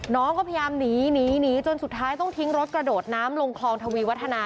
น้องก็พยายามหนีหนีจนสุดท้ายต้องทิ้งรถกระโดดน้ำลงคลองทวีวัฒนา